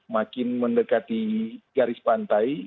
makin mendekati garis pantai